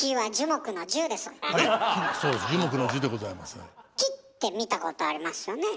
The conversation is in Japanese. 木って見たことありますよね？